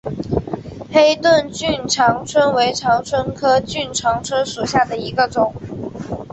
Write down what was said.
黑盾梭长蝽为长蝽科梭长蝽属下的一个种。